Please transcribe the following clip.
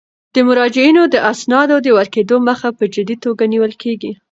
د مراجعینو د اسنادو د ورکیدو مخه په جدي توګه نیول کیږي.